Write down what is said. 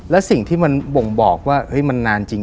แล้วสิ่งที่มันบ่งบอกว่ามันนานจริง